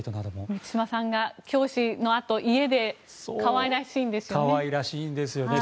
満島さんが教師のあと家で可愛らしいんですよね。